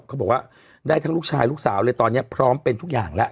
เขาบอกว่าได้ทั้งลูกชายลูกสาวเลยตอนนี้พร้อมเป็นทุกอย่างแล้ว